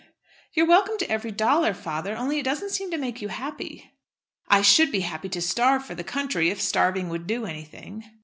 "You're welcome to every dollar, father, only it doesn't seem to make you happy." "I should be happy to starve for the country, if starving would do anything."